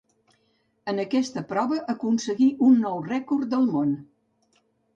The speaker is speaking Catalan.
En aquesta prova aconseguí un nou rècord del món.